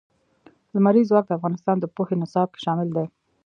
لمریز ځواک د افغانستان د پوهنې نصاب کې شامل دي.